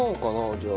じゃあ。